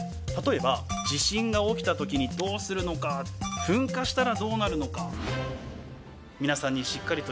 たとえば地震が起きたときにどうするのか噴火したらどうなるのか。